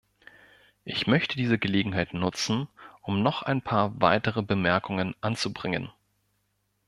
Ich möchte diese Gelegenheit nutzen, um noch ein paar weitere Bemerkungen anzubringen.